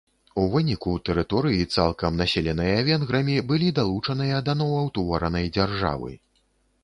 У выніку, тэрыторыі цалкам населеныя венграмі былі далучаныя да новаўтворанай дзяржавы.